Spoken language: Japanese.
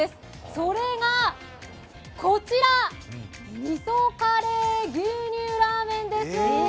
それが味噌カレー牛乳ラーメンです。